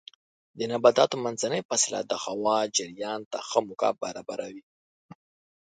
د نباتاتو منځنۍ فاصله د هوا جریان ته ښه موقع برابروي.